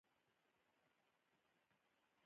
نو ته به څه وکې.